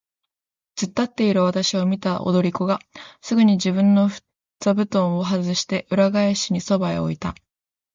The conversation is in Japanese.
つっ立っているわたしを見た踊り子がすぐに自分の座布団をはずして、裏返しにそばへ置いた。